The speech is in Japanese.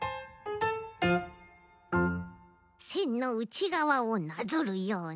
せんのうちがわをなぞるように。